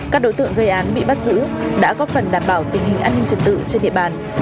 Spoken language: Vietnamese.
các đối tượng gây án bị bắt giữ đã góp phần đảm bảo tình hình an ninh trật tự trên địa bàn